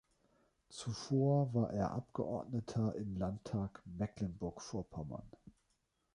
Zuvor war er Abgeordneter im Landtag Mecklenburg-Vorpommern.